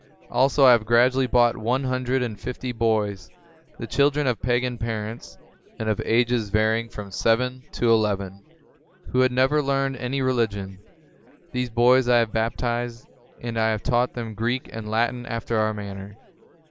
Also, I have gradually bought one hundred and fifty boys, the children of pagan parents, and of ages varying from seven to eleven, who had never learned any reli gion. These boys I have baptized, and I have taught them Greek and Latin after our manner.